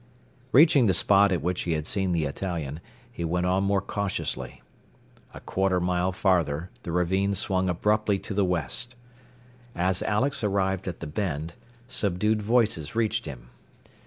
Reaching the spot at which he had seen the Italian, he went on more cautiously. A quarter mile farther the ravine swung abruptly to the west. As Alex arrived at the bend, subdued voices reached him.